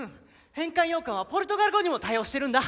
変換羊羹はポルトガル語にも対応してるんだ。